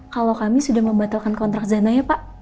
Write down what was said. kalau kami sudah membatalkan kontrak dananya pak